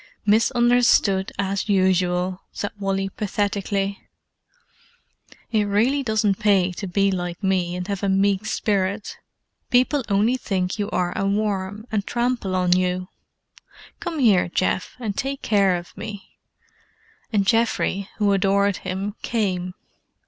"Misunderstood as usual," said Wally pathetically. "It really doesn't pay to be like me and have a meek spirit: people only think you are a worm, and trample on you. Come here, Geoff, and take care of me:" and Geoffrey, who adored him, came.